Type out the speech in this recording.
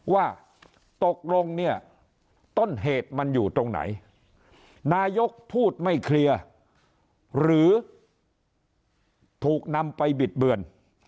ว่าตกลงเนี่ยต้นเหตุมันอยู่ตรงไหนนายกพูดไม่เคลียร์หรือถูกนำไปบิดเบือน